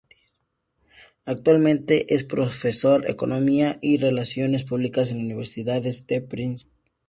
Actualmente es profesor Economía y Relaciones Públicas en la Universidad de Princeton.